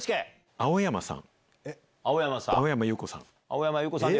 青山さん